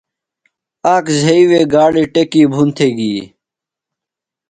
آک زھئی وےگاڑیۡ ٹیکی بُھن تھےۡ گی۔